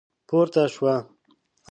پورته شوه.